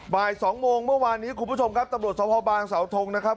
บ่าย๒โมงเมื่อวานนี้คุณผู้ชมครับตำรวจสภบางสาวทงนะครับ